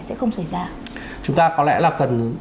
sẽ không xảy ra chúng ta có lẽ là cần